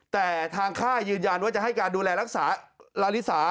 แต่ทางค่ายยืนยันว่าจะให้การดูแลรักษาลาลิสา